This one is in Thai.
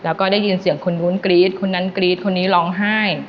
แล้วก็ได้ยินเสียงคนนู้นกรี๊ดคนนั้นกรี๊ดคนนี้ร้องไห้